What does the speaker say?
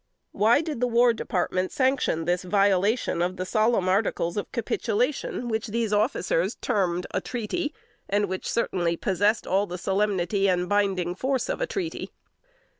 Why did the War Department sanction this violation of the solemn articles of capitulation, which these officers termed a treaty, and which certainly possessed all the solemnity and binding force of a treaty?